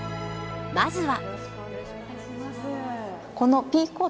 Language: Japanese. まずは。